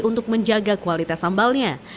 untuk menjaga kualitas sambalnya